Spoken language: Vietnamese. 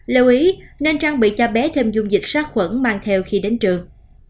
lưu ý nên trang bị cho bé thêm dung dịch sát khuẩn mang theo khi đến trường